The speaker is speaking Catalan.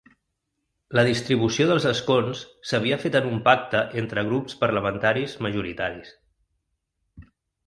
La distribució dels escons s’havia fet en un pacte entre grups parlamentaris majoritaris.